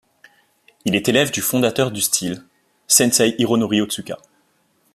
Il est élève du fondateur du style, sensei Hironori Ōtsuka.